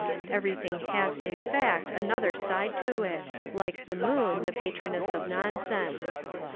Everything has in fact another side to it, like the moon, the patroness of nonsense.